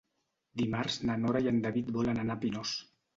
Dimarts na Nora i en David volen anar a Pinós.